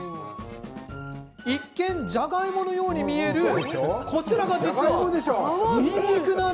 一見、じゃがいものように見えるこちらが実は、にんにく。